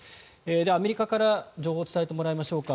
では、アメリカから情報を伝えてもらいましょうか。